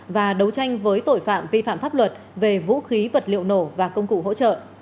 và đấu tranh với tội phạm vi phạm pháp luật về vũ khí vật liệu nổ và công cụ hỗ trợ